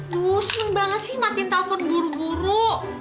lu seneng banget sih matiin telfon buru buru